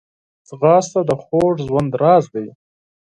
ځغاسته د خوږ ژوند راز دی